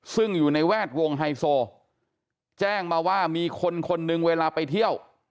ซึ่งอยู่ในแวดวงไฮโซแจ้งมาว่ามีคนคนหนึ่งเวลาไปเที่ยว